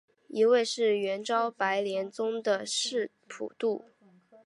一位是元朝白莲宗的释普度。